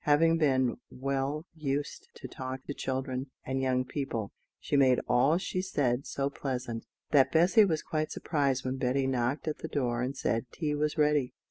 Having been well used to talk to children and young people, she made all she said so pleasant, that Bessy was quite surprised when Betty knocked at the door and said tea was ready.